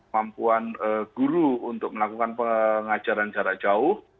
mampuan guru untuk melakukan pengajaran jarak jauh